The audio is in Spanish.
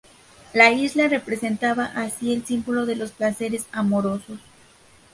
La isla representaba así el símbolo de los placeres amorosos.